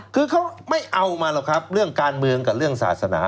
คือเขาไม่เอามาหรอกครับเรื่องการเมืองกับเรื่องศาสนา